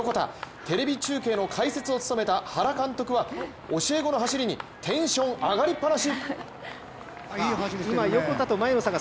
テレビ中継の解説を務めた原監督は教え子の走りにテンション上がりっぱなし！